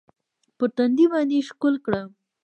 پر تندي باندې يې ښکل کړم.